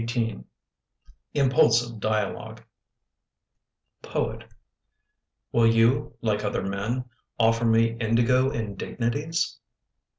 IMPULSIVE DIALOGUE Poet Will you, like other men, Offer me indigo indignities?